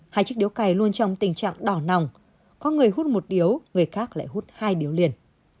hai chiếc điếu cày luôn trong tình trạng đỏ nòng có người hút một điếu người khác lại hút hai điếu liền